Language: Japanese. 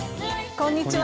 こんにちは。